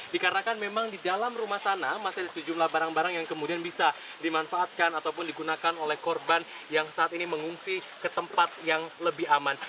dikarenakan memang di dalam rumah sana masih ada sejumlah barang barang yang kemudian bisa dimanfaatkan ataupun digunakan oleh korban yang saat ini mengungsi ke tempat yang lebih aman